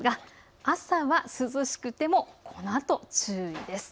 朝は涼しくてもこのあと注意です。